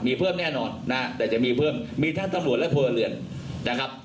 มีเพิ่มแน่นอนนะฮะแต่จะมีเพิ่มมีทั้งตำรวจและพลเรือนนะครับ